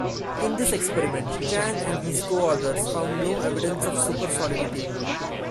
In this experiment, Chan and his coauthors found no evidence of supersolidity.